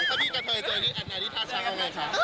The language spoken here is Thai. ถ้าพี่กับเธอเจออันนี้อันนี้ท่าช่างเอาไว้ค่ะ